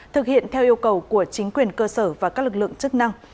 thực hiện theo yêu cầu của chính quyền cơ sở và các lực lượng chức năng